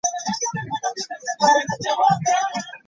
Abaana kale nno mubagaane okukoppa bye balaba.